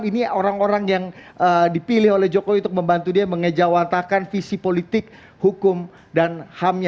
ini orang orang yang dipilih oleh jokowi untuk membantu dia mengejawantakan visi politik hukum dan hamnya